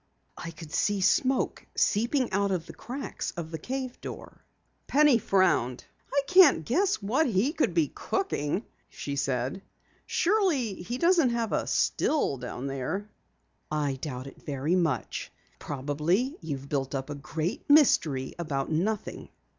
"I could see smoke seeping out from the cracks of the cave door." Penny frowned. "I can't guess what he could be cooking," she said. "Surely he doesn't have a still down there." "I doubt it very much. Probably you've built up a great mystery about nothing."